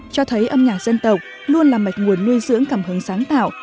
cho thấy âm nhạc dân tộc luôn là mạch nguồn nuôi dưỡng cảm hứng sáng tạo